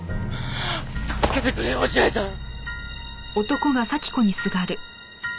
助けてくれよ落合さん！